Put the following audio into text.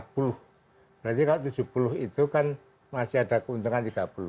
berarti kalau tujuh puluh itu kan masih ada keuntungan tiga puluh